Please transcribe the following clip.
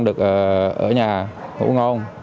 được ở nhà hữu ngôn